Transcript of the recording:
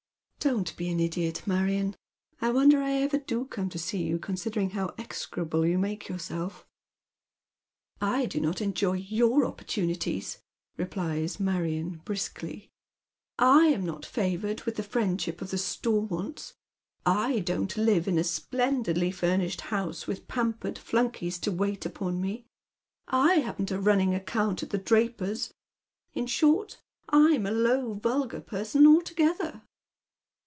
" Don't be an idiot, Marion. I wonder I ever do come to see you, considering how execrable you make yourself." " I do not enjoy your opportunities," replies Marion, briskly. " I am not favoured with the friendship of the Stormonts. / don't Hve in a splendidly furnished house with pampered flunkeyf to wait upon me. / haven't a running account at the draper's In short, I'm a low vulgar person altogether."